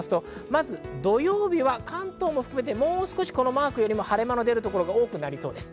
まず土曜日は関東も含めてもう少しこのマークよりも晴れ間の出るところが多くなりそうです。